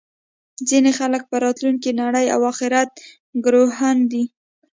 ځینې خلک په راتلونکې نړۍ او اخرت ګروهن دي